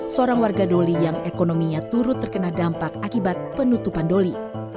seorang warga doli yang ekonominya turut terkena dampak akibat penutupan doli